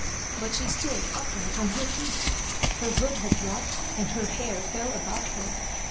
But she stood upright on her feet. Her hood had dropped, and her hair fell about her.